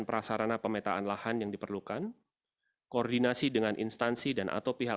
prasarana pemetaan lahan yang diperlukan koordinasi dengan instansi dan atau pihak